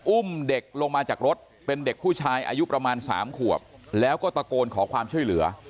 อุ้มเด็กลงมาจากรถเป็นเด็กผู้ชายอายุประมาณ๓ขวบแล้วก็ตะโกนขอความช่วยเหลือ